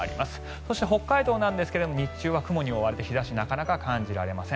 そして、北海道なんですが日中は雲に覆われて日差しなかなか感じられません。